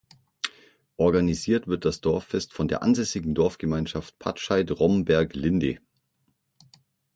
Organisiert wird das Dorffest von der ansässigen Dorfgemeinschaft Pattscheid-Romberg-Linde.